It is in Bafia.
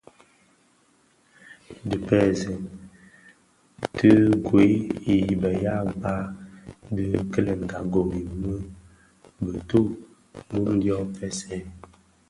Dhipèseèn ti gwed i be ya mpkag di kilenga gom imë bituu bum dyoň npèsèn.